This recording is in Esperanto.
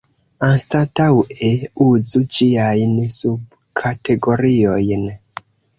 Anstataŭe uzu ĝiajn subkategoriojn.